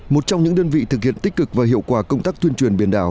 một trong những đơn vị thực hiện tích cực và hiệu quả công tác tuyên truyền biển đảo